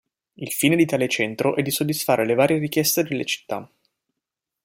Il fine di tale centro è di soddisfare le varie richieste delle città.